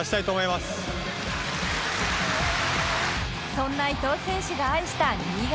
そんな伊藤選手が愛した新潟